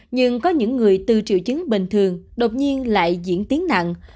nhưng có những người từ triệu chứng bình thường đột nhiên lại diễn tiến nặng